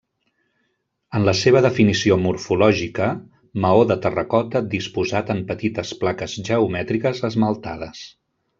En la seva definició morfològica: maó de terracota disposat en petites plaques geomètriques esmaltades.